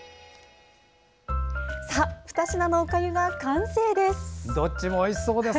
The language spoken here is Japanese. さあ、２品のおかゆが完成です。